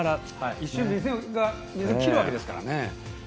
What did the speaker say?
一瞬目線が切れるわけですからね。